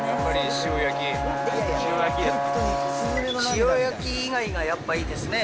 塩焼き以外がやっぱいいですね。